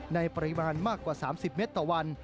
ในปริมาณมากกว่า๓๐เมตรต่อวัน